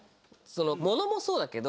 物もそうだけど。